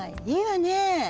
いいわね。